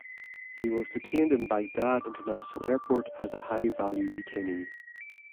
He was detained in Baghdad International Airport as a "High Value Detainee".